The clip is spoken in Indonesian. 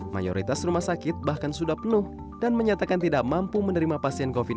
mayoritas rumah sakit bahkan sudah penuh dan menyatakan tidak mampu menerima pasien